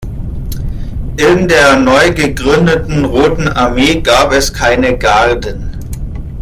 In der neugegründeten Roten Armee gab es keine Garden.